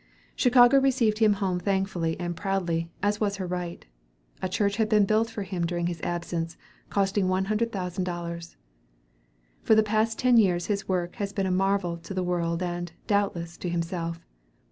Chicago received him home thankfully and proudly, as was her right. A church had been built for him during his absence, costing one hundred thousand dollars. For the past ten years his work has been a marvel to the world and, doubtless, to himself.